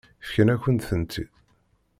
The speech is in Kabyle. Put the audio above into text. Fkan-akent-tent-id.